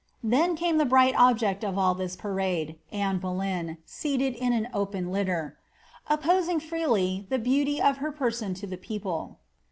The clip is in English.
Then came the bright object of ill this parade, Anne Bole3m, seated in an open litter ^Opposing iVeely The beauty of ber person to the people."